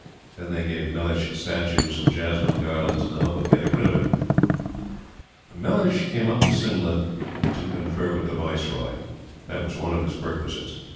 Then they gave Mellishe statues and jasmine garlands, in the hope of getting rid of him. Mellishe came up to Simla "to confer with the Viceroy." That was one of his perquisites.